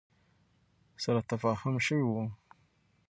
سره تفاهم شوی ؤ